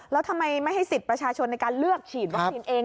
แล้วทำไมไม่ให้สิทธิ์ประชาชนในการเลือกฉีดวัคซีนเอง